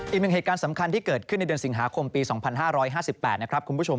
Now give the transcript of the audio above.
อีกหนึ่งเหตุการณ์สำคัญที่เกิดขึ้นในเดือนสิงหาคมปี๒๕๕๘นะครับคุณผู้ชม